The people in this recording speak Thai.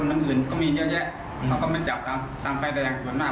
ทุกที่นะครับมันก็จะจะเป็นอย่างนี้แหละในในส่วนมากน่ะครับ